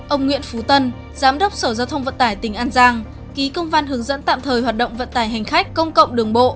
ông nguyễn phú tân giám đốc sở giao thông vận tải tỉnh an giang ký công văn hướng dẫn tạm thời hoạt động vận tải hành khách công cộng đường bộ